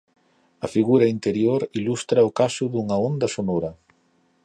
A figura inferior ilustra o caso dunha onda sonora.